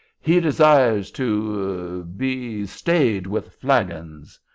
He desires—to—er—be —'stayed with flagons'!